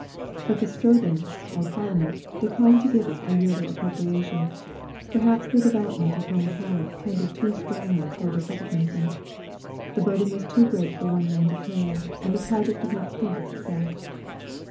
But the Storthing, or Parliament, declined to give it a yearly appropriation, perhaps the development of home talent tended too strongly toward republicanism. The burden was too great for one man to carry, and the project did not prove a success.